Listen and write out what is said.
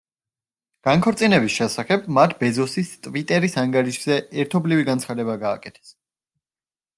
განქორწინების შესახებ მათ ბეზოსის „ტვიტერის“ ანგარიშზე ერთობლივი განცხადება გააკეთეს.